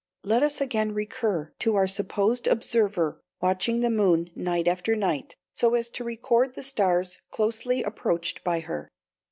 Let us again recur to our supposed observer watching the moon night after night, so as to record the stars closely approached by her.